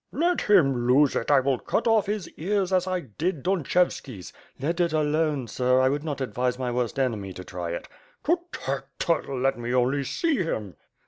"Let him lose it, I will cut off his ears as I did Dunchev ski's." "Let it alone, sir, I would not advise my worst enemy to try it." "Tut, tut, tut, let me only see him."